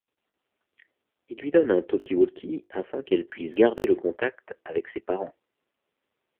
Il lui donne un talkie-walkie afin qu'elle puisse garder le contact avec ses parents.